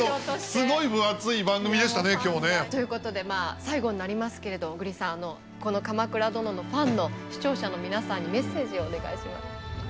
すごい分厚い番組でしたね今日ね。ということで最後になりますけれど小栗さんこの「鎌倉殿」のファンの視聴者の皆さんにメッセージをお願いします。